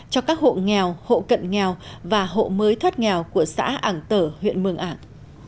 cho các hộ nghèo hộ cận nghèo và hộ mới thoát nghèo của xã ảng tở huyện mường ảng